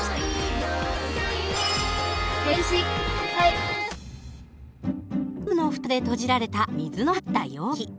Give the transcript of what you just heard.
ゴムの蓋で閉じられた水の入った容器。